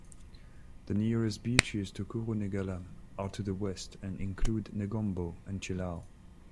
The nearest beaches to Kurunegala are to the west and include Negombo and Chilaw.